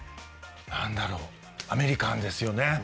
なんだろうアメリカンですよね。